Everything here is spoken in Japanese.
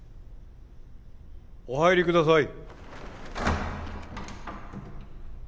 お入りください。